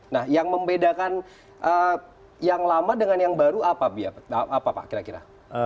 nah yang membedakan yang lama dengan yang baru apa pak kira kira